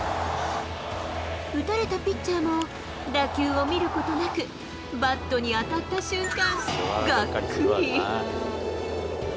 打たれたピッチャーも、打球を見ることなく、バットに当たった瞬間、がっくり。